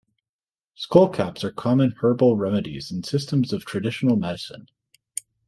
Skullcaps are common herbal remedies in systems of traditional medicine.